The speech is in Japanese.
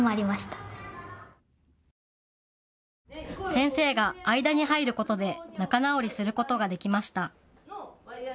先生が間に入ることで仲直りすることができました。